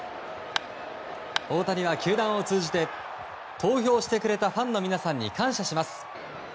大谷は球団を通じて投票してくれたファンの皆さんに感謝します。